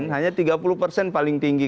hanya tiga puluh persen paling tinggi